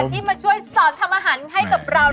ที่มาช่วยสอนทำอาหารให้กับเรา